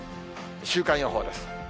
週間予報です。